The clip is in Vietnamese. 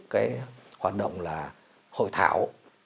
cái hoạt động là hội thảo